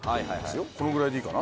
このぐらいでいいかな？